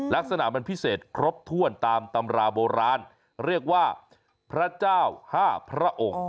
ลักษณะมันพิเศษครบถ้วนตามตำราโบราณเรียกว่าพระเจ้า๕พระองค์